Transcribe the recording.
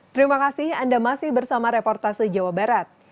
terima kasih anda masih bersama reportase jawa barat